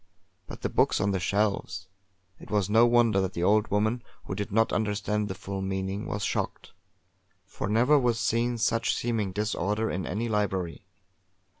But the books on the shelves! It was no wonder that the old woman, who did not understand the full meaning, was shocked; for never was seen such seeming disorder in any library.